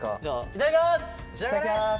いただきます！